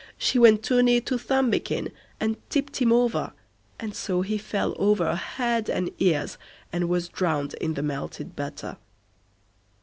she went too near to Thumbikin, and tipped him over; and so he fell over head and ears, and was drowned in the melted butter.